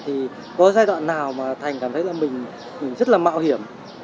thì có giai đoạn nào mà thành cảm thấy là mình rất là mạo hiểm